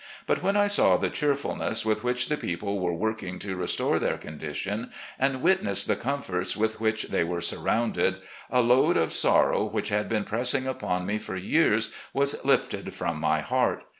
But when I saw the cheerfulness with which the people were working to restore their condition, and witnessed the comforts with which they were surrounded, a load of sorrow which had been pressing upon me for years was lifted from my heart.